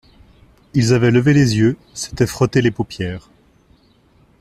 Ils avaient levé les yeux, s’étaient frottés les paupières.